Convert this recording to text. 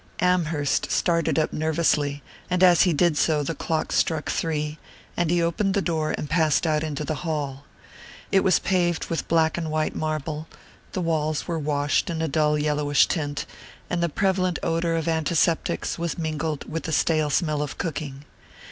Amherst started up nervously, and as he did so the clock struck three, and he opened the door and passed out into the hall. It was paved with black and white marble; the walls were washed in a dull yellowish tint, and the prevalent odour of antiseptics was mingled with a stale smell of cooking.